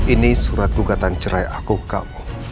ini surat gugatan cerah aku ke kamu